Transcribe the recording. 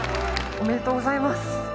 おめでとうございます！